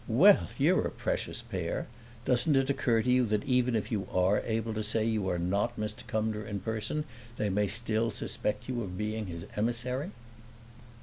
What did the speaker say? "Well, you're a precious pair! Doesn't it occur to you that even if you are able to say you are not Mr. Cumnor in person they may still suspect you of being his emissary?"